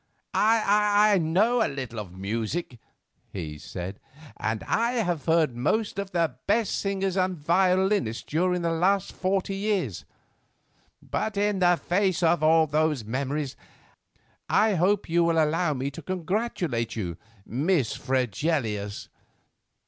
"I know a little of music," he said, "and I have heard most of the best singers and violinists during the last forty years; but in the face of all those memories I hope you will allow me to congratulate you, Miss Fregelius.